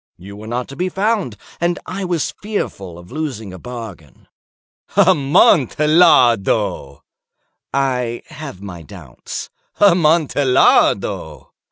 You were not to be found, and I was fearful of losing a bargain." "Amontillado!" "I have my doubts." "Amontillado!"